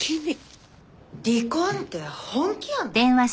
離婚って本気やの？